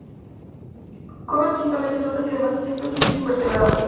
Comen principalmente frutas y además insectos y otros invertebrados.